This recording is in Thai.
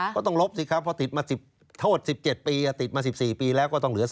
ต้องลบสิครับเพราะติดมาโทษ๑๗ปีติดมา๑๔ปีแล้วก็ต้องเหลือ